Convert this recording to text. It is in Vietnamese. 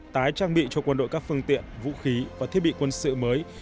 tái trang bị cho quân đội các phương tiện vũ khí và thiết bị quân sự mới